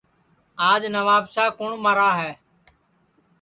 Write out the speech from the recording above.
آج نوابشام کُوٹؔ مرا ہے